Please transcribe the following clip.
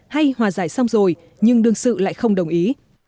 hay hòa giải xong rồi nhưng đương sự lại không đồng ý